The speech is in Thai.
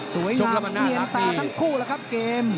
สวยงามเนียนตาทั้งคู่แล้วครับเกม